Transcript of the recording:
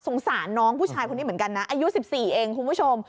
สงสารน้องผู้ชายคนนี้เหมือนกันนะอายุ๑๔เองคุณผู้ชม